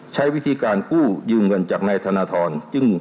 ใช้วิธีการกู้ยืมเงินจากนายธนทรจึง